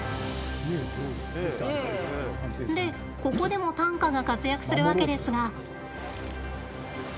で、ここでも担架が活躍するわけですが。